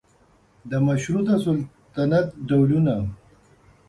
د مشروطه سلطنت ډولونه